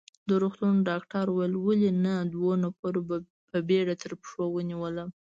د روغتون ډاکټر وویل: ولې نه، دوو نفرو په بېړه تر پښه ونیولم.